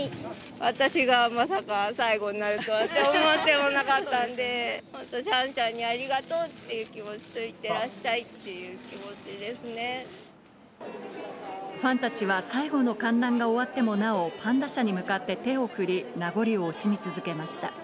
私がまさか最後になるとはって思ってもなかったんで、本当、シャンシャンにありがとうっていう気持ちと、いってらっしゃいっファンたちは、最後の観覧が終わってもパンダ舎に向かって手を振り、名残を惜しみ続けました。